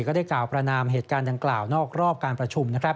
ก็ได้กล่าวประนามเหตุการณ์ดังกล่าวนอกรอบการประชุม